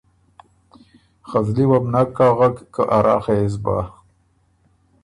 خه زلی وه بُو نک اغک که اراخه يې سو بۀ